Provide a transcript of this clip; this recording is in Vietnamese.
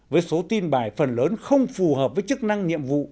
với số tin bài phần lớn không phù hợp với chức năng nhiệm vụ